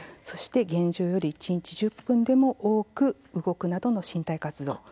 そして現状より一日１０分でも多く動くなどの身体活動。